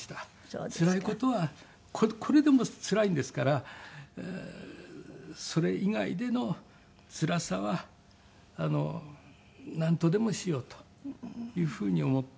つらい事はこれでもつらいんですからそれ以外でのつらさはなんとでもしようというふうに思って。